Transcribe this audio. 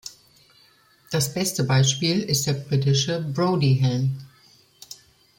Das beste Beispiel ist der britische „Brodie-Helm“.